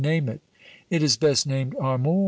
'Name it.' 'It is best named Amor.'